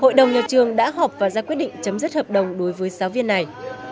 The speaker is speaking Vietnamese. hội đồng nhà trường đã họp và ra quyết định chấm dứt hợp đồng đối với giáo viên này